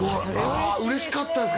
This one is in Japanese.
あ嬉しかったですか？